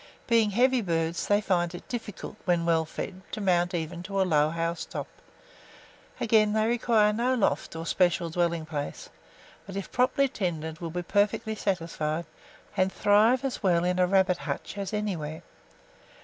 Being heavy birds, they find it difficult, when well fed, to mount even to a low housetop. Again, they require no loft, or special dwelling place, but, if properly tended, will be perfectly satisfied, and thrive as well, in a rabbit hutch as any where.